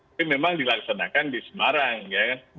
itu memang dilaksanakan di semarang ya kan